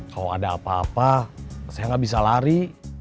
kalau ada apa apa saya gak bisa lari